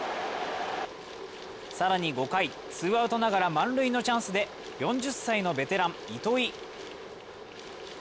更に、５回、ツーアウトながら満塁のチャンスで４０歳のベテラン・糸井。